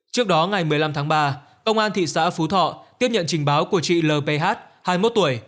trước đó ngày một mươi năm tháng ba công an thị xã phú thọ tiếp nhận trình báo của chị l p h hai mươi một tuổi